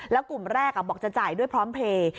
แล้วกลุ่มแรกบอกจะจ่ายด้วยพร้อมเพลย์